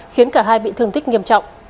khiến cả hai bị thương tích nghiêm trọng